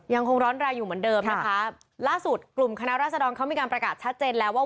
ยังคงร้อนรายอยู่เหมือนเดิมนะคะล่าสุดกลุ่มคณะราษฎรเขามีการประกาศชัดเจนแล้วว่า